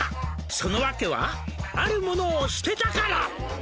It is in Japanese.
「そのわけはあるものを捨てたから」